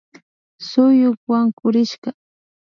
Suyuk wankurishka